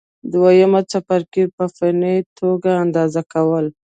دوهم څپرکی: په فني توګه اندازه کول